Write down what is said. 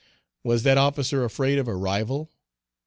Was that officer afraid of a rival?